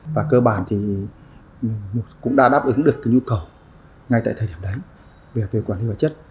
và cơ bản thì cũng đã đáp ứng được cái nhu cầu ngay tại thời điểm đấy về quản lý vật chất